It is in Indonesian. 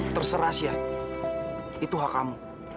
terserah siap itu hak kamu